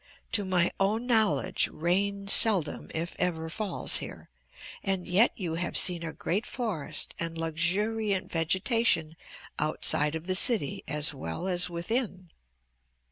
To my own knowledge rain seldom, if ever, falls here, and yet you have seen a great forest and luxuriant vegetation outside of the city as well as within.